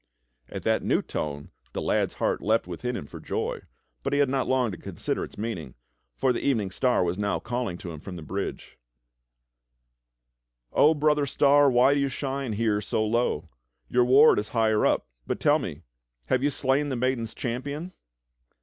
At that new tone the lad's heart leaped within him for joy, but he had not long to consider its meaning, for the Evening Star was now calling to him from the bridge: 48 THE STORY OF KING ARTHUR "O brother star, why do you shine here so low? Your w^ard is higher up. But tell me, have you slain the maiden's champion?"